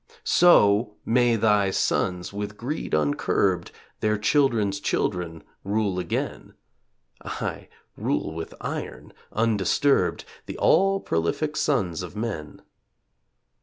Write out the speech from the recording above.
So may thy sons, with greed uncurbed, Their children's children rule again; Aye, rule with iron, undisturbed, The all prolific sons of men.